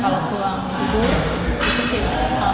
kalau kurang tidur itu tidak